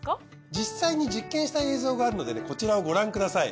実際に実験した映像があるのでねこちらをご覧ください。